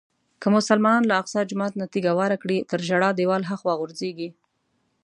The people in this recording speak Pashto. که مسلمانان له اقصی جومات نه تیږه واره کړي تر ژړا دیوال هاخوا غورځېږي.